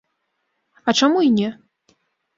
А чаму і не?